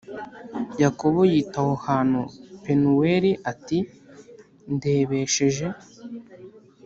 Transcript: Yakobo yita aho hantu Penuweli ati Ndebesheje